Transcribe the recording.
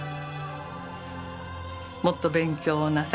もっと勉強なさい。